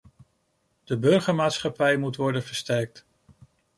De burgermaatschappij moet worden versterkt.